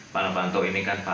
pak novanto ini kan pak